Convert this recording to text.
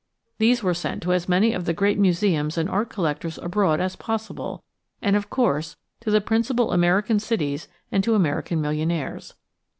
These were sent to as many of the great museums and art collectors abroad as possible, and of course to the principal American cities and to American millionaires.